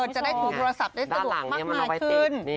จะได้ถือโทรศัพท์ได้สะดวกมากมายขึ้น